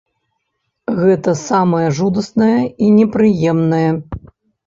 Гэта самае жудаснае і непрыемнае.